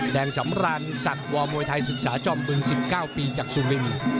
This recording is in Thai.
สำราญศักดิ์วอร์มวยไทยศึกษาจอมบึง๑๙ปีจากสุรินทร์